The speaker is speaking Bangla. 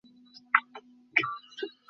সত্তরের দশক থেকেই তিনি এই প্রক্রিয়া শুরু করেন।